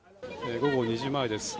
午後２時前です。